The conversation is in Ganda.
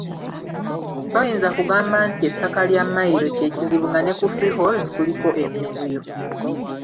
Toyinza kugamba nti ettaka lya mmayiro kye kizibu nga ne ku Freehold kuliko emivuyo.